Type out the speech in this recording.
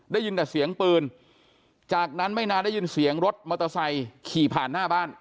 ได้ยินแต่เสียงปืนจากนั้นไม่นานได้ยินเสียงรถมอเตอร์ไซค์ขี่ผ่านหน้าบ้าน